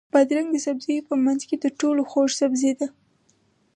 بادرنګ د سبزیو په منځ کې تر ټولو خوږ سبزی ده.